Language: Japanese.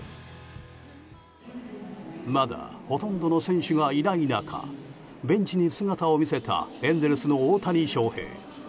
まだほとんどの選手がいない中ベンチに姿を見せたエンゼルスの大谷翔平。